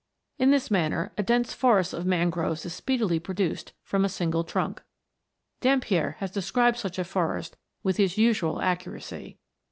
In this manner a dense forest of mangroves is speedily pro duced from a single trunk. Dampier has described such a forest with his usual accuracy.